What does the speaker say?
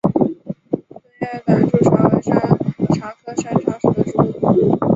钝叶短柱茶为山茶科山茶属的植物。